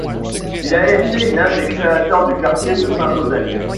Il a été l’un des créateurs du quartier de Saint-Joseph.